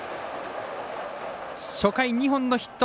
初回２本のヒット。